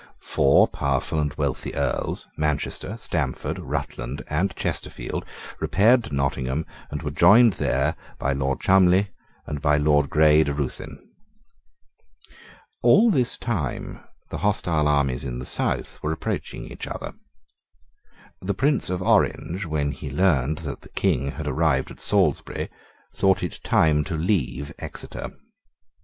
Four powerful and wealthy Earls, Manchester, Stamford, Rutland, and Chesterfield, repaired to Nottingham, and were joined there by Lord Cholmondley and by Lord Grey de Ruthyn. All this time the hostile armies in the south were approaching each other. The Prince of Orange, when he learned that the King had arrived at Salisbury, thought it time to leave Exeter.